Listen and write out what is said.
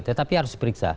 tetapi harus diperiksa